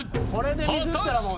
果たして。